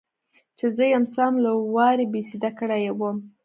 چې زه يې سم له وارې بېسده کړى وم.